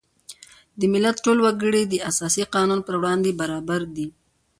د ملت ټول وګړي د اساسي قانون په وړاندې برابر دي.